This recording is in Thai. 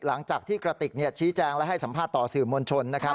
หลังจากที่กระติกชี้แจงและให้สัมภาษณ์ต่อสื่อมวลชนนะครับ